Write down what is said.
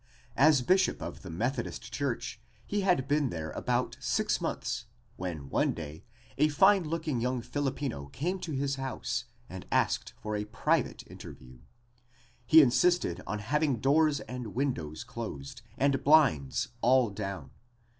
As Bishop of the Methodist church he had been there about six months when one day a fine looking young Filipino came to his home and asked for a private interview. He insisted on having doors and windows closed and blinds all down.